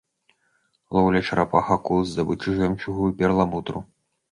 Лоўля чарапах, акул, здабыча жэмчугу і перламутру.